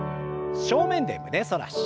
正面で胸反らし。